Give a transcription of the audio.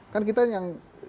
kan kita yang